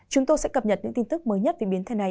chúng tôi sẽ cập nhật những tin tức mới nhất về biến thể này